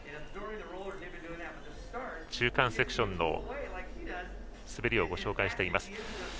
中間セクションの滑りをご紹介しています。